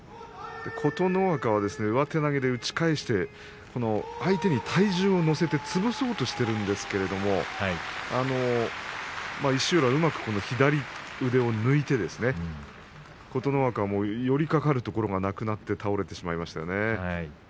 琴ノ若は上手投げを掛けて相手を潰そうとしているんですけれども石浦はうまく左腕を抜いて琴ノ若も寄りかかるところがなくなって倒れてしまいました。